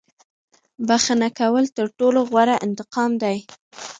• بښنه کول تر ټولو غوره انتقام دی.